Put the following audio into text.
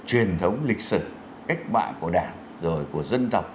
truyền thống lịch sử cách mạng của đảng rồi của dân tộc